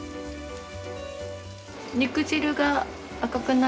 肉汁が赤くないのとか